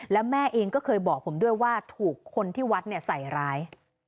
แล้วแม่เองก็เคยบอกผมด้วยว่าถูกคนที่วัดใส่ร้าย